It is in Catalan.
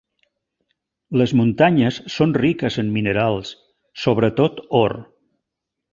Les muntanyes són riques en minerals, sobretot or.